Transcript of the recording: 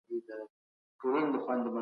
موږ بايد په لاري کي له خطره ځان وساتو.